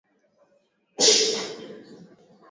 Ana uzoefu wa kuogelea